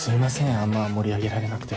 あんま盛り上げられなくて。